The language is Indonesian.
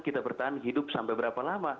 kita bertahan hidup sampai berapa lama